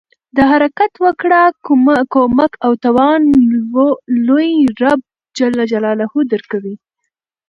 د حرکت وکړه، کومک او توان لوی رب ج درکوي.